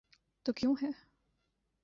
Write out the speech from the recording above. تو کیوں ہے؟